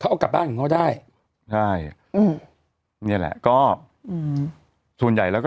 เอากลับบ้านของเขาได้ใช่อืมนี่แหละก็อืมส่วนใหญ่แล้วก็